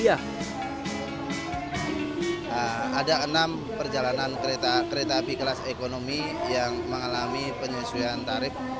ada enam perjalanan kereta api kelas ekonomi yang mengalami penyesuaian tarif